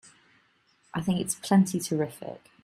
I think it's plenty terrific!